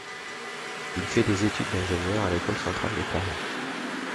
Il fait des études d'ingénieur à l'École centrale de Paris.